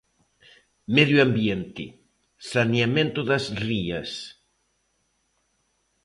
Medio ambiente, saneamento das rías.